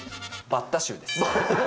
バッタ臭です。